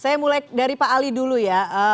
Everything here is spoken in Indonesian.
saya mulai dari pak ali dulu ya